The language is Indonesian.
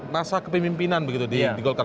masa kepemimpinan begitu di golkar